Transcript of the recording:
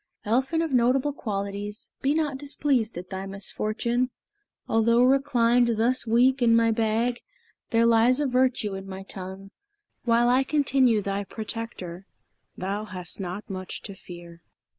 Elphin of notable qualities, Be not displeased at thy misfortune: Although reclined thus weak in my bag, There lies a virtue in my tongue. While I continue thy protector Thou hast not much to fear."